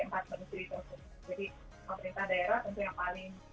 jadi pemerintah daerah tentunya paling